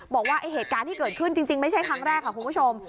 บอกว่าเหตุการณ์ที่เกิดขึ้นจริงไม่ใช่ครั้งแรกค่ะคุณผู้ชม